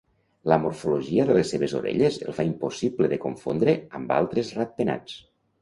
La morfologia de les seves orelles el fa impossible de confondre amb altres ratpenats.